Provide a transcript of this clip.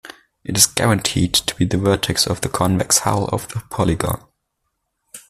It is guaranteed to be the vertex of the convex hull of the polygon.